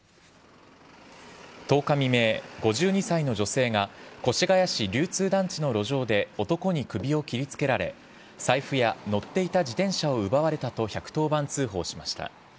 １０日未明、５２歳の女性が越谷市流通団地の路上で男に首を切りつけられ財布や乗っていた自転車を奪われたと１１０番通報しました。